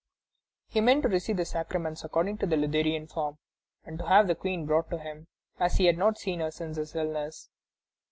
He meant to receive the sacraments according to the Lutheran form, and to have the Queen brought to him, as he had not seen her since his illness.